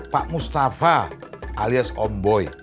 pak mustafa alias om boy